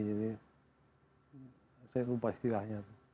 jadi saya lupa istilahnya